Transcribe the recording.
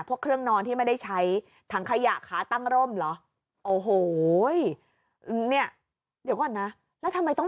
พวกเครื่องนอนที่ไม่ได้ใช้ถังขยะขาตั้งร่มเหรอโอ้โหเนี่ยเดี๋ยวก่อนนะแล้วทำไมต้อง